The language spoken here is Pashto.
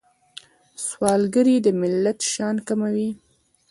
سوالګري د ملت شان کموي